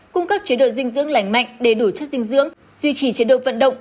cung cấp chế độ dinh dưỡng lành mạnh đầy đủ chất dinh dưỡng duy trì chế độ vận động